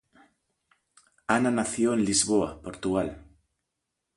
Ana nació en Lisboa, Portugal.